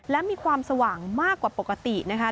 และมีความสว่างมากกว่าปกตินะคะ